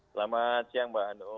selamat siang mbak anu